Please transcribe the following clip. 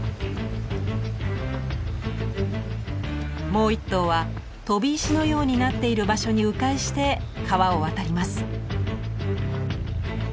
もう１頭は飛び石のようになっている場所に回して川を渡ります。